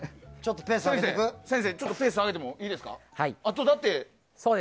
先生、ちょっとペース上げてもいいですか？